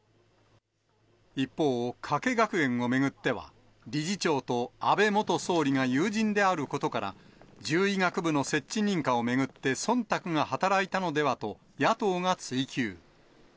一方、加計学園を巡っては、理事長と安倍元総理が友人であることから、獣医学部の設置認可を巡ってそんたくが働いたのではと野党が追及。